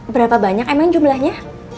berapa banyak emang jumlahnya